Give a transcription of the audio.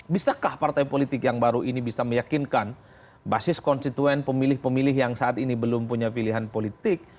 bisakah partai politik yang baru ini bisa meyakinkan basis konstituen pemilih pemilih yang saat ini belum punya pilihan politik